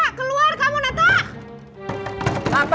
nata keluar kamu nata